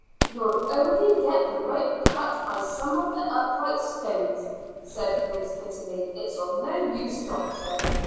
"You'll only get the rope cut by some of the upright stones," said Griggs bitterly. "It's of no use, doctor.